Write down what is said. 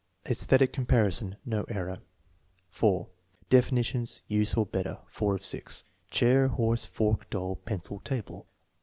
^Esthetic comparison. (No error.) 4. Definitions, use or better. (4 of 6.) Chair; horse; fork; doll; pencil; table.